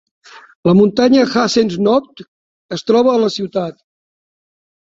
La muntanya Hazens Notch es troba a la ciutat.